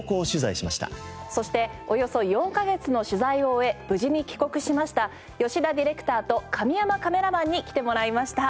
そしておよそ４カ月の取材を終え無事に帰国しました吉田ディレクターと神山カメラマンに来てもらいました。